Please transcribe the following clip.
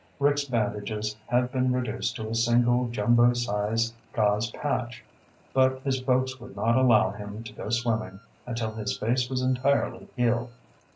Rick's bandages had been reduced to a single jumbo size gauze patch, but his folks would not allow him to go swimming until his face was entirely healed.